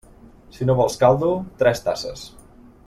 Si no vols caldo, tres tasses.